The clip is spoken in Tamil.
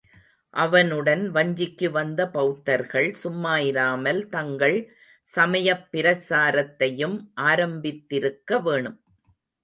அவனுடன் வஞ்சிக்கு வந்த பௌத்தர்கள் சும்மா இராமல் தங்கள் சமயப் பிரசாரத்தையும் ஆரம்பித்திருக்க வேணும்.